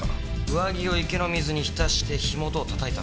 上着を池の水に浸して火元を叩いたんですね。